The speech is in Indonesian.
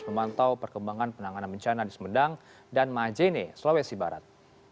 memantau perkembangan penanganan bencana di sumedang dan majene sulawesi barat